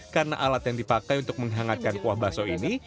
karena alat yang dipakai untuk menghangatkan kuah baso ini